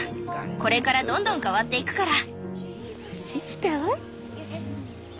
これからどんどん変わっていくから。